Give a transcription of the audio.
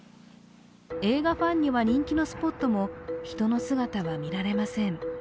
映画ファンには人気のスポットも人の姿は見られません。